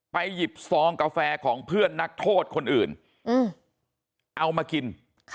หยิบซองกาแฟของเพื่อนนักโทษคนอื่นเอามากิน